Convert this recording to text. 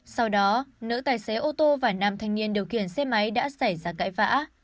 sau đó nữ tài xế ô tô và nam thanh niên điều khiển xe máy đã xảy ra cãi vã